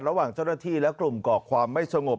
ระหว่างเจ้าหน้าที่และกลุ่มก่อความไม่สงบ